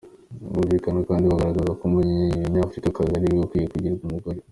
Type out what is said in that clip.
Bumvikana kandi bagaragaza ko umunyafrikakazi ari we ukwiriye kugirwa umugore.